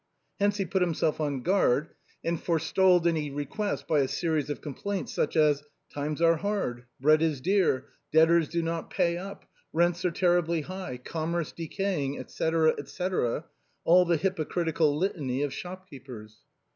Hence he put himself on guard and forestalled any request by a series of complaints, such as :" Times are hard, bread is dear, debtors do not pay up, rents are terribly high, commerce decaying, etc., etc.," all the hypocritical litany of shopkeepers.